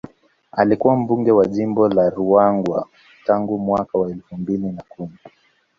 Alikuwa mbunge wa jimbo la Ruangwa tangu mwaka elfu mbili na kumi